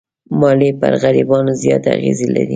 مالیې پر غریبانو زیات اغېز لري.